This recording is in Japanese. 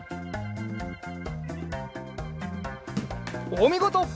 おみごと！